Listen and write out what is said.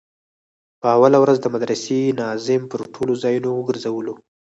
په اوله ورځ د مدرسې ناظم پر ټولو ځايونو وگرځولو.